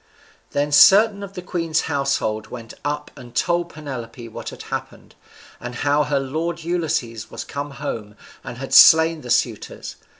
] Then certain of the queen's household went up and told Penelope what had happened, and how her lord Ulysses was come home, and had slain the suitors.